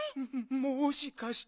もしかして。